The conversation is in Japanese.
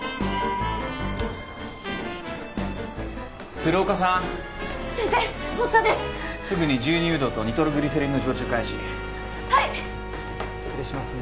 鶴岡さん先生発作ですすぐに十二誘導とニトログリセリンの静注開始はいっ失礼しますね